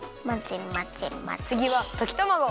つぎはときたまご！